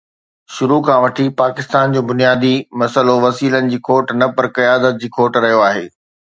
شروع کان وٺي پاڪستان جو بنيادي مسئلو وسيلن جي کوٽ نه پر قيادت جي کوٽ رهيو آهي.